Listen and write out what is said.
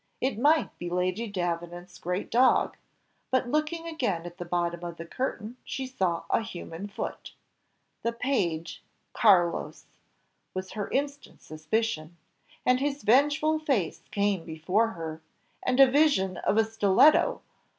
It might be Lady Davenant's great dog; but looking again at the bottom of the curtain she saw a human foot. The page, Carlos! was her instant suspicion, and his vengeful face came before her, and a vision of a stiletto!